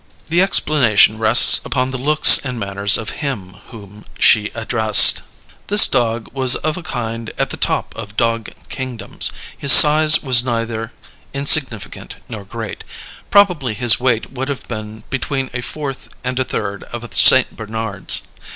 The explanation rests upon the looks and manners of him whom she addressed. This dog was of a kind at the top of dog kingdoms. His size was neither insignificant nor great; probably his weight would have been between a fourth and a third of a St. Bernard's.